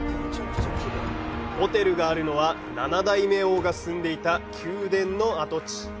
ホテルがあるのは７代目王が住んでいた宮殿の跡地。